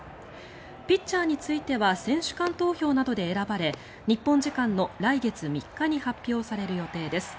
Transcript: ピッチャーについては選手間投票などで選ばれ日本時間の来月３日に発表される予定です。